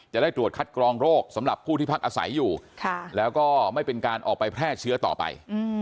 จะได้ตรวจคัดกรองโรคสำหรับผู้ที่พักอาศัยอยู่แล้วก็ไม่เป็นการออกไปแพร่เชื้อต่อไป